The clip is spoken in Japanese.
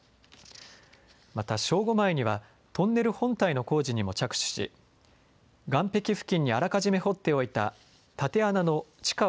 また正午前にはトンネル本体の工事にも着手し岸壁付近にあらかじめ掘っておいた縦穴の地下